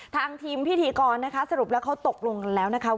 ทางทีมพิธีกรนะคะสรุปแล้วเขาตกลงกันแล้วนะคะ